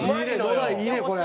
野田いいねこれ。